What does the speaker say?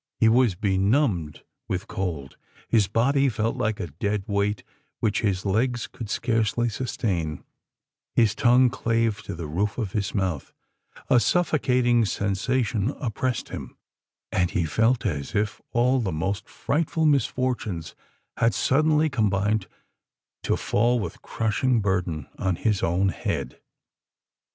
He was benumbed with cold—his body felt like a dead weight which his legs could scarcely sustain—his tongue clave to the roof of his mouth—a suffocating sensation oppressed him—and he felt as if all the most frightful misfortunes had suddenly combined to fall with crushing burden on his own head!